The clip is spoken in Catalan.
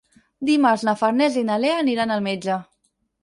Dimarts na Farners i na Lea aniran al metge.